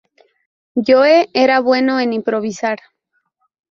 Joe era bueno en improvisar.